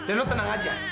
edo tenang aja